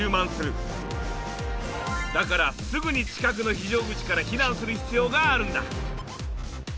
だからすぐに近くの非常口から避難する必要があるんだ。